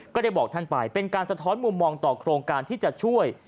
ก็ได้บอกท่านไปเป็นการสะท้อนมุมมองต่อโครงการที่จะช่วย